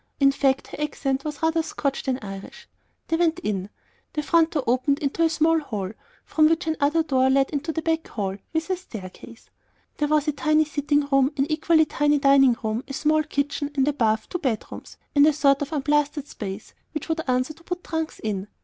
In fact, her accent was rather Scotch than Irish. They went in. The front door opened into a minute hall, from which another door led into a back hall with a staircase. There was a tiny sitting room, an equally tiny dining room, a small kitchen, and above, two bedrooms and a sort of unplastered space, which would answer to put trunks in.